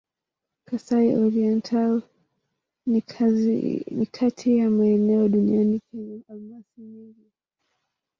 Kasai-Oriental ni kati ya maeneo duniani penye almasi nyingi.